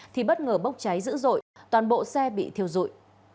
thì bất ngờ bốc cháy dữ dội toàn bộ xe bị thiêu dụi